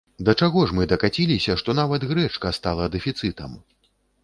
Да чаго ж мы дакаціліся, што нават грэчка стала дэфіцытам?